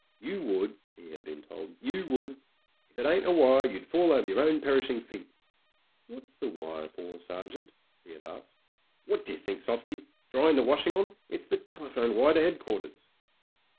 "You would," he had been told — "you would. If it ain't a wire, you'd fall over yer own perishing feet." "What's the wire for, sergint ?" he had asked. "What d'you think, softie. Drying the washing on? It's the telephone wire to Headquarters."